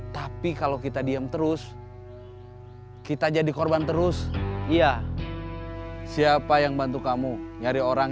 tapi kalau kita diam terus kita jadi korban terus iya siapa yang bantu kamu nyari orang